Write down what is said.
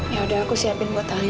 ya udah aku siapin buat tali